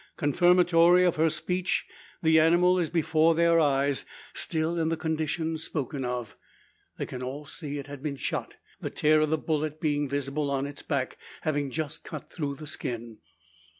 Confirmatory of her speech, the animal is before their eyes, still in the condition spoken of. They can all see it has been shot the tear of the bullet being visible on its back, having just cut through the skin.